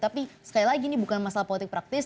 tapi sekali lagi ini bukan masalah politik praktis